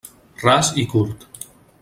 Ras i curt.